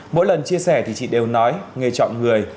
mỗi lần chia sẻ thì chị đều nói nghề chọn người